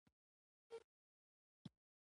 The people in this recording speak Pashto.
د ستونزې لپاره د حل لټول بله مرحله ده.